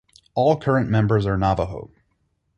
All current members are Navajo.